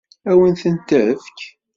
Ad wen-ten-tefk?